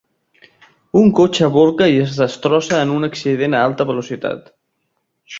Un cotxe volca i es destrossa en un accident a alta velocitat.